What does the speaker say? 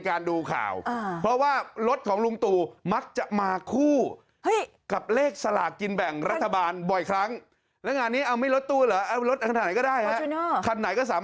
คุณก็เอาหูล้อเขาหูล้อท่านไงครับนะครับ